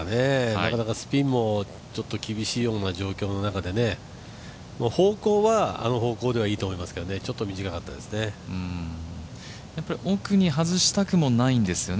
なかなかスピンもちょっと厳しいような状況の中でね方向はあの方向ではいいと思いますけど、ちょっと短かったと思いますね。